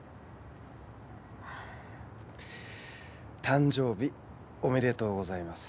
誕生日おめでとうございます。